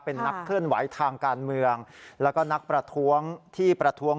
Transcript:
เป็นนักเคลื่อนไหวทางการเมืองแล้วก็นักประท้วงที่ประท้วง